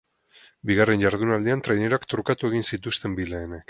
Bigarren jardunaldian traineruak trukatu egin zituzten bi lehenek.